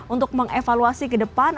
untuk mengevaluasi kedepan